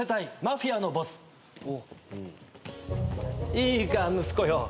いいか息子よ。